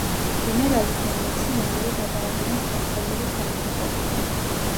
გენერალი დე მეცი მალევე გადააყენეს ხელმძღვანელი თანამდებობიდან.